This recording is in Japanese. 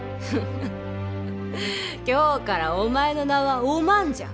今日からお前の名はお万じゃ。